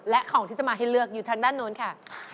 และของที่จะมาให้เลือกอยู่ทางด้านโน้นค่ะ